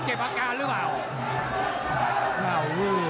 เก็บอาการหรือเปล่า